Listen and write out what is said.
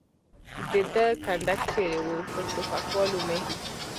د ده کنډک چېرې و؟ پر ټوپکوالو مې.